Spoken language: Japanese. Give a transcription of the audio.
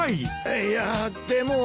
いやでも。